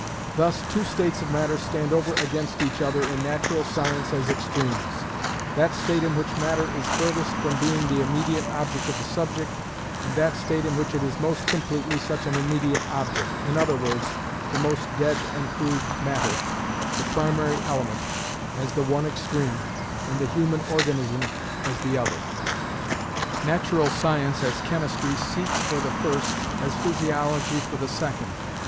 Thus two states of matter stand over against each other in natural science as extremes: that state in which matter is furthest from being the immediate object of the subject, and that state in which it is most completely such an immediate object, i.e., the most dead and crude matter, the primary element, as the one extreme, and the human organism as the other. Natural science as chemistry seeks for the first, as physiology for the second.